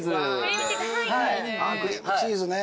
クリームチーズね。